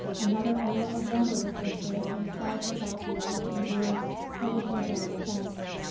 Another olla of water was lifted, and soused about the Irishman's ears, but with no better effect.